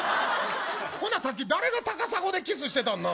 ほんなら、さっき誰が高砂でキスしてたん。